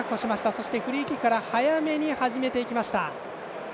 そしてフリーキックから早めに始めていきました。